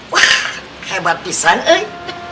wah hebat pisan eh